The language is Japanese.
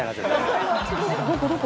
どこ？